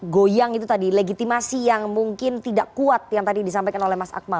goyang itu tadi legitimasi yang mungkin tidak kuat yang tadi disampaikan oleh mas akmal